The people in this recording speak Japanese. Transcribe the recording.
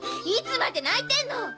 いつまで泣いてんの！